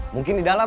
mungkin di dalam